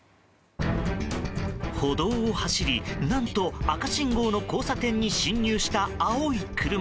歩道を走り何と赤信号の交差点に進入した青い車。